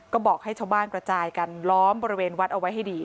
ก็บอกให้ชาวบ้านกระจายกันล้อมบริเวณวัดเอาไว้ให้ดี